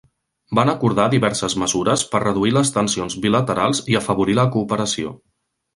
Van acordar diverses mesures per reduir les tensions bilaterals i afavorir la cooperació.